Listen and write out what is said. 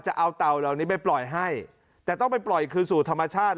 จะเอาเต่าเหล่านี้ไปปล่อยให้แต่ต้องไปปล่อยคืนสู่ธรรมชาติ